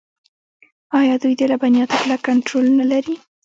آیا دوی د لبنیاتو کلک کنټرول نلري؟